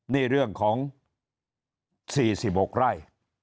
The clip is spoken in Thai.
นี่เรื่องของ๔๖ไร่